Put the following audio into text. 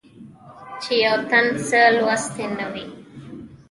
چې يو تن څۀ لوستي نۀ وي